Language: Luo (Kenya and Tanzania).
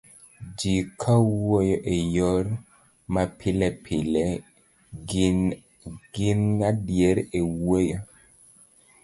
ji kawuoyo e yor mapilepile, ging'adre e wuoyo